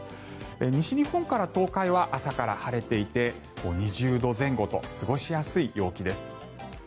西日本から東海は朝から晴れていて２０度前後と過ごしやすい陽気です。